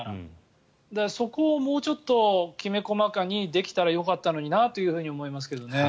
そこをもうちょっときめ細かにできたらよかったのになと思いますけどね。